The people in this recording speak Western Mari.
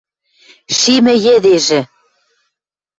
Шимӹ йӹдежӹ: